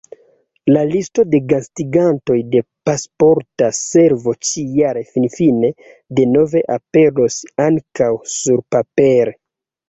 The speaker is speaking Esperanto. La listo de gastigantoj de Pasporta Servo ĉi-jare finfine denove aperos ankaŭ surpapere.